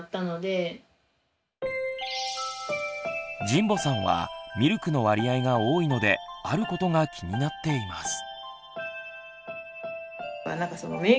神保さんはミルクの割合が多いのであることが気になっています。